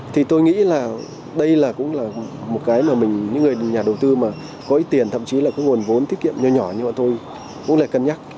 thì tôi nghĩ là đây là cũng là một cái mà mình những người nhà đầu tư mà có ít tiền thậm chí là cái nguồn vốn tiết kiệm nhỏ nhỏ như bọn tôi cũng lại cân nhắc